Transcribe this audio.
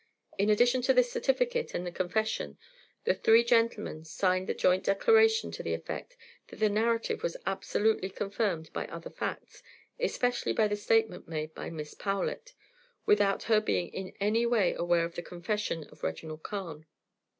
In addition to this certificate and the confession, the three gentlemen signed a joint declaration to the effect that the narrative was absolutely confirmed by other facts, especially by the statement made by Miss Powlett, without her being in any way aware of the confession of Reginald Carne.